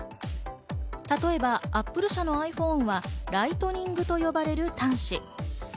例えばＡｐｐｌｅ社のｉＰｈｏｎｅはライトニングと呼ばれる端子。